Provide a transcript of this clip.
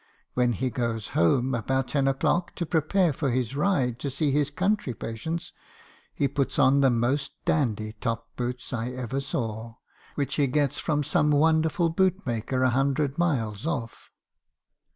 When he goes home, about ten o'clock, to prepare for his ride to see his country patients, he puts on the most dandy top boots I ever saw, which he gets from some wonderful boot maker a hundred miles off.